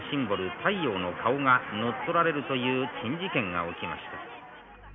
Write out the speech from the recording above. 太陽の顔が乗っ取られるという珍事件が起きました」。